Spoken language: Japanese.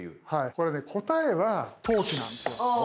これね答えは投機なんですよ。